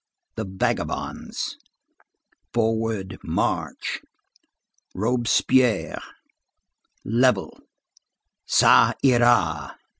The vagabonds. Forward march. Robespierre. Level. Ça Ira.